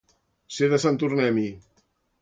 Ser de Sant Tornem-hi.